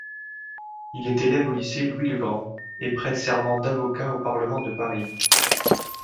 Il est élève au Lycée Louis-le-Grand et prête serment d'avocat au Parlement de Paris.